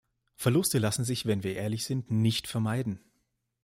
Verluste lassen sich wenn wir ehrlich sind nicht vermeiden.